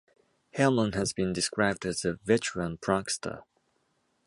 Hellman has been described as a "veteran prankster".